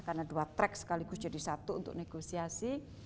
karena dua track sekaligus jadi satu untuk negosiasi